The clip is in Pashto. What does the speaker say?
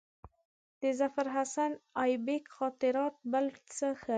د ظفرحسن آیبک خاطرات بل څه ښيي.